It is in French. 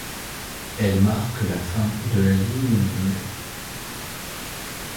Elle marque la fin de la ligne Mine.